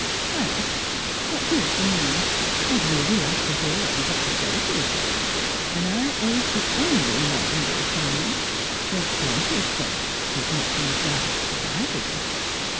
" Well, what did you mean? I'd really like to hear what you've got to say fer yourself. An' I ain't the only one, you'll Miss Fhilura's Wedding Gown find. There's plenty of folks that's as much in the dark as I be."